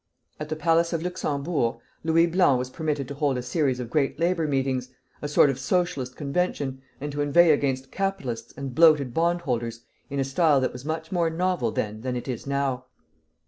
At the Palace of the Luxembourg Louis Blanc was permitted to hold a series of great labor meetings, a sort of Socialist convention, and to inveigh against "capitalists" and "bloated bondholders" in a style that was much more novel then than it is now.